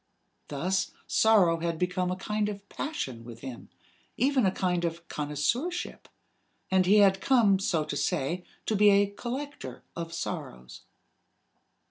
Thus sorrow had become a kind of passion with him, even a kind of connoisseurship; and he had come, so to say, to be a collector of sorrows.